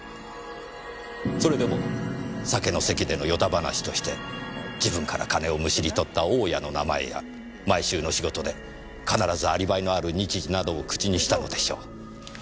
それでも酒の席での与太話として自分から金をむしり取った大家の名前や毎週の仕事で必ずアリバイのある日時などを口にしたのでしょう。